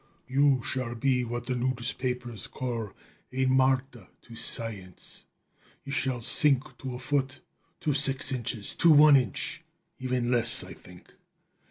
"You shall be what the newspapers call a martyr to science. You shall sink to a foot, to six inches to one inch even less, I think!